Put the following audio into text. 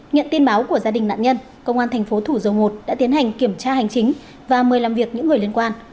nhận tin báo của gia đình nạn nhân công an thành phố thủ dầu một đã tiến hành kiểm tra hành chính và mời làm việc những người liên quan